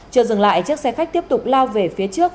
chưa dừng lại chiếc xe khách tiếp tục lao về phía trước